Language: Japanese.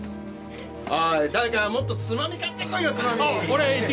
おい誰かもっとつまみ買ってこいよつまみ。